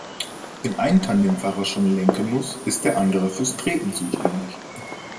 Wenn ein Tandemfahrer schon lenken muss, ist der andere fürs Treten zuständig.